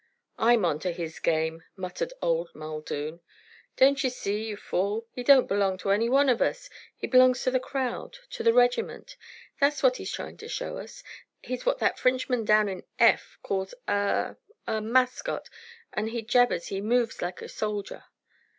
"I'm on to his game!" muttered old Muldoon. "Don't ye see, ye fool, he don't belong to any wan of us. He belongs to the crowd to the regiment. That's what he's tryin' to show us. He's what that Frinchman down in F calls a a mascot; and, be jabers, he moves like a soldier!"